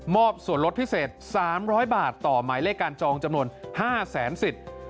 ส่วนลดพิเศษ๓๐๐บาทต่อหมายเลขการจองจำนวน๕แสนสิทธิ์